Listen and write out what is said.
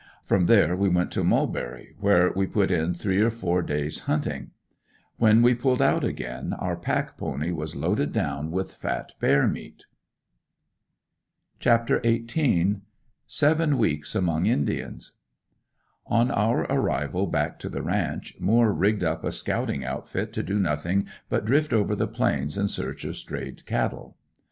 From there we went to Mulberry where we put in three or four days hunting. When we pulled out again our pack pony was loaded down with fat bear meat. CHAPTER XVIII. SEVEN WEEKS AMONG INDIANS. On our arrival back to the ranch, Moore rigged up a scouting outfit to do nothing but drift over the Plains in search of strayed cattle.